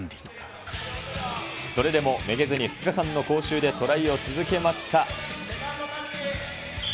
それでも、めげずに２日間の講習でトライを続けました。